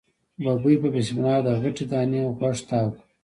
ببۍ په بسم الله د غټې دانی غوږ تاو کړ.